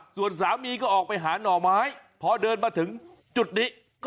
ส่วนสามีก็ออกไปหาหน่อไม้พอเดินมาถึงจุดนี้